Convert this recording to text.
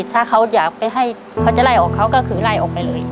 ถ้าเขาอยากไปให้เขาจะไล่ออกเขาก็คือไล่ออกไปเลย